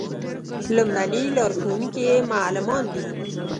لومړني لارښوونکي یې معلمان دي.